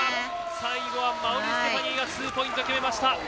最後は馬瓜ステファニーが２ポイント決めました。